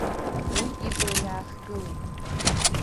Уи ибла иаахгылеит.